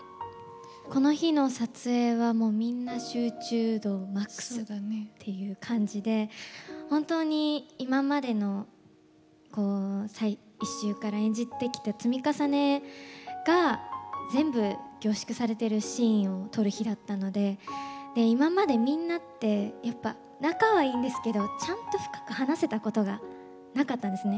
この日の撮影はもうみんな集中度マックスっていう感じで本当に今までの１週から演じてきた積み重ねが全部凝縮されてるシーンを撮る日だったので今までみんなってやっぱ仲はいいんですけどちゃんと深く話せたことがなかったんですね。